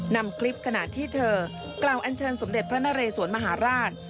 นำคลิปขณะที่เธอกล่าวอันเชิญสมเด็จพระนเรสวนมหาราช